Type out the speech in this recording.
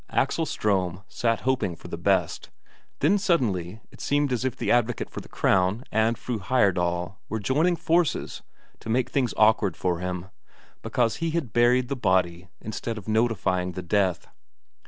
Axel Ström sat hoping for the best, then suddenly it seemed as if the advocate for the Crown and Fru Heyerdahl were joining forces to make things awkward for him, because he had buried the body instead of notifying the death.